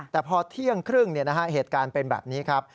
แต่พอเที่ยงครึ่งเหตุการณ์เป็นแบบนี้ครับ